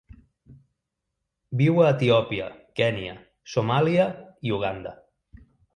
Viu a Etiòpia, Kenya, Somàlia i Uganda.